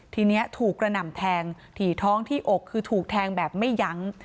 ทีนี้ถูกกระหน่ำแทงถี่ท้องที่อกคือถูกแทงแบบไม่ยั้ง